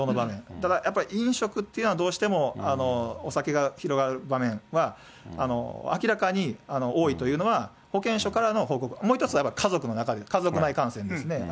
ただやっぱり飲食っていうのは、どうしてもお酒が広がる場面は、明らかに多いというのは、保健所からの報告、もう一つはやっぱり、家族の中で、家族内感染ですね。